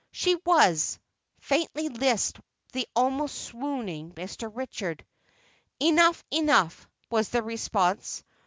"She was," faintly lisped the almost swooning Mr. Richard. "Enough, enough," was the response.